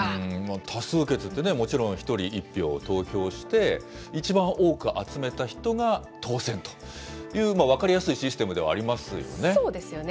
多数決ってね、もちろん１人１票投票して、一番多く集めた人が当選という分かりやすいシステムではありますそうですよね。